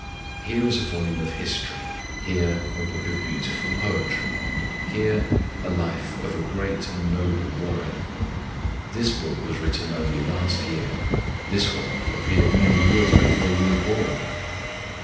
Here is a volume of history, here a book of beautiful poetry, here a life of a great and noble warrior. This book was written only last year, this one appeared many years before you were born.